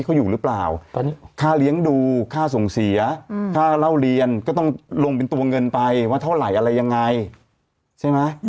ก็คนตายไป๔คนไงเธอ